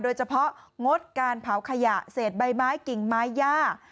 โดยเฉพาะงดการเผาขยะเศษใบไม้กิ่งไม้ย่า